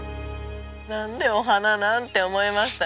「なんでお花なん？」って思いましたよ。